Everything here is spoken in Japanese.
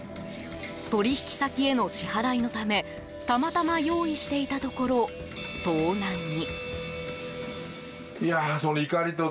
取引先への支払いのためたまたま用意していたところ盗難に。